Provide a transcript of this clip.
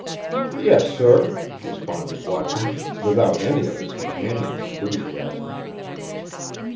"Yes, sir," responded Watkins, without any of his companion's enthusiasm.